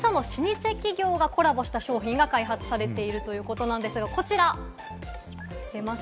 今、若い世代と、みその老舗企業がコラボした商品が開発されているということなんですが、こちら。